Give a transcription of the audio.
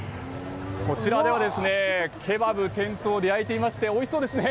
こちらではケバブを店頭で焼いていましておいしそうですね。